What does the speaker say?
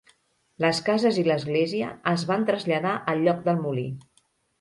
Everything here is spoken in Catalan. Les cases i l'església es van traslladar al lloc del molí.